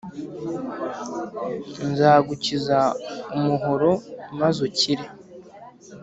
Nzagukiza umuhoro maze ukire